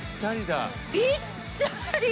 ぴったり！